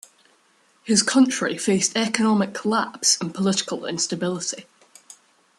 His country faced economic collapse and political instability.